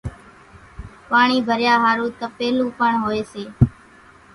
پاڻِي ڀريا ۿارُو تپيلون پڻ هوئيَ سي۔